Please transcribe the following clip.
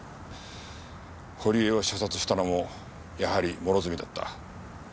堀江を射殺したのもやはり諸角だった。